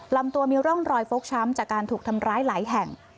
ลำตัวมีร่องรอยฟกช้ำจากการถูกทำร้ายหลายแห่ง